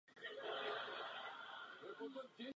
Popsala management jakožto filosofii.